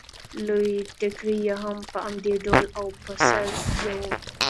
لوی ټکری یې هم په همدې ډول و او پر سر یې و